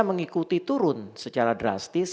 mengikuti turun secara drastis